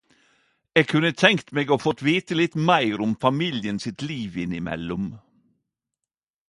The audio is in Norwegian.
Eg kunne tenkt meg å fått vite litt meir om familien sitt liv innimellom.